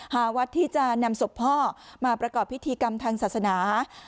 หาวัดที่จะนำศพพ่อมาประกอบพิธีกรรมทางศาสนา